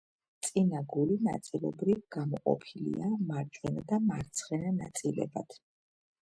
წინა გული ნაწილობრივ გამოყოფილია მარჯვენა და მარცხენა ნაწილებად.